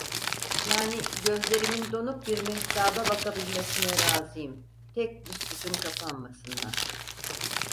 Yani, gözlerimin donuk bir mehtaba bakabilmesine razıyım, tek büsbütün kapanmasınlar.